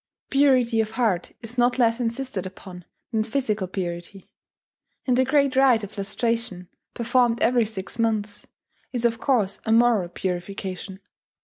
Purity of heart is not less insisted upon than physical purity; and the great rite of lustration, performed every six months, is of course a moral purification.